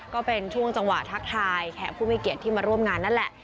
ก็เป็นช่วงจังหวะทักทายแขกผู้มีเกียรติที่มาร่วมงานนั่นแหละ